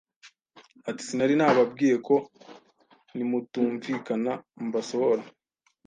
ati sinari nababwiye ko nimutumvikana mbasohora